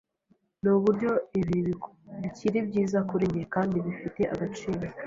Nuburyo ibi bikiri byiza kuri njye kandi bifite agaciro